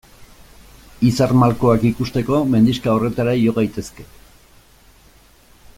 Izar malkoak ikusteko mendixka horretara igo gaitezke.